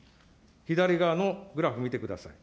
左側のグラフ見てください。